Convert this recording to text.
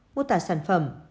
mô tả sản phẩm